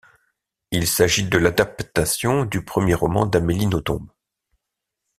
Il s'agit de l'adaptation du premier roman d'Amélie Nothomb.